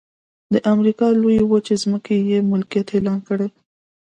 د امریکا لویې وچې ځمکې یې ملکیت اعلان کړې.